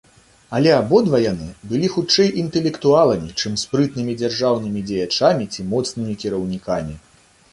Але абодва яны былі хутчэй інтэлектуаламі, чым спрытнымі дзяржаўнымі дзеячамі ці моцнымі кіраўнікамі.